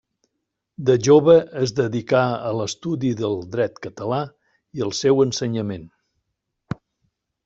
Des de jove es dedicà a l'estudi del dret català i al seu ensenyament.